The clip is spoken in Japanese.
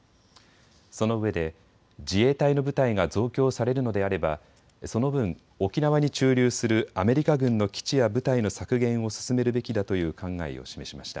そのうえで自衛隊の部隊が増強されるのであれば、その分沖縄に駐留するアメリカ軍の基地や部隊の削減を進めるべきだという考えを示しました。